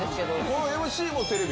このＭＣも。